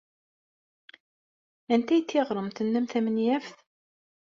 Anta ay d tiɣremt-nnem tamenyaft?